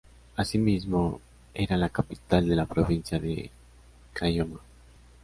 Asimismo era la capital de la provincia de Caylloma.